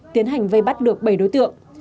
tiến hành vây bắt được bảy đối tượng